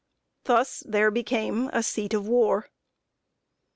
Thus there became a "Seat of War."